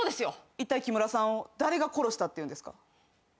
いったいキムラさんを誰が殺したっていうんですか？